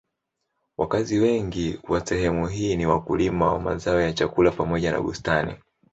Wakazi wengi wa sehemu hii ni wakulima wa mazao ya chakula pamoja na bustani.